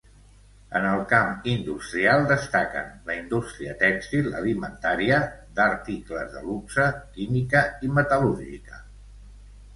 En el camp industrial, destaquen la indústria tèxtil, alimentària, d'articles de luxe, química i metal·lúrgica.